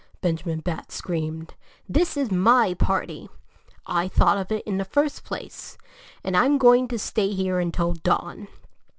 Benjamin Bat screamed. "This is my party. I thought of it in the first place. And I'm going to stay here until dawn."